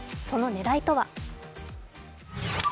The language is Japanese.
その狙いとは。